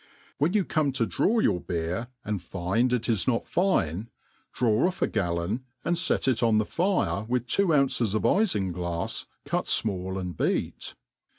When you^xmie to draw your beer, and find it is not fincs^ draw off a gallon^ and fet it on the fire^ with two ounces of jfinglafs ^at fmM and beat.